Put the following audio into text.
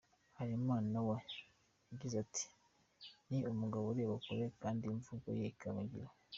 Harerimana we yagize ati “Ni umugabo ureba kure kandi imvugo ye ikaba ingiro.